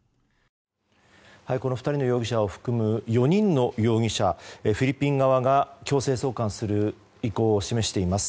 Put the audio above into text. ２人の容疑者を含む４人の容疑者、フィリピン側が強制送還する意向を示しています。